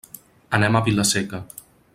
Anem a Vila-seca.